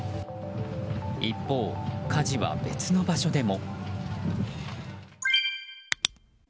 一方、火事は別の場所でも。